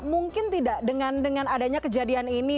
mungkin tidak dengan adanya kejadian ini